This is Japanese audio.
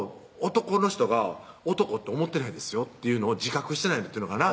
男の人が男って思ってないですよっていうのを自覚してないっていうのかな